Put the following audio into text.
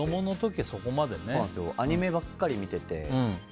アニメばっかり見てて。